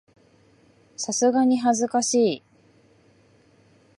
さすがに恥ずかしい